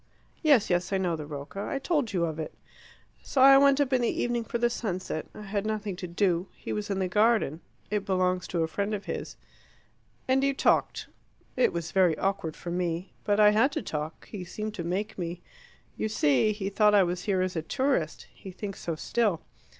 "Yes, yes. I know the Rocca; I told you of it." "So I went up in the evening for the sunset: I had nothing to do. He was in the garden: it belongs to a friend of his." "And you talked." "It was very awkward for me. But I had to talk: he seemed to make me. You see he thought I was here as a tourist; he thinks so still.